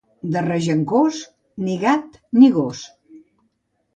De Regencós, ni gat ni gos.